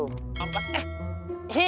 kamu ngapain disitu